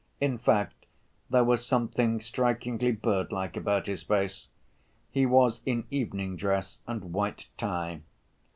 In fact, there was something strikingly birdlike about his face. He was in evening dress and white tie.